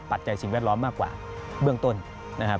ปัจจัยสิ่งแวดล้อมมากกว่าเบื้องต้นนะครับ